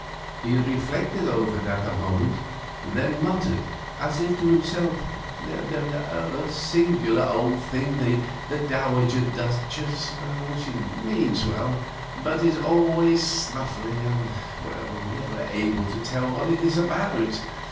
He reflected over that a moment, then muttered, as if to himself: "A singular old thing, the Dowager Duchess means well, but is always snuffling and never able to tell what it is about.